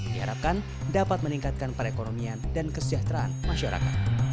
diharapkan dapat meningkatkan perekonomian dan kesejahteraan masyarakat